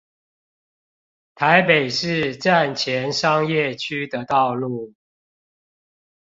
台北市站前商業區的道路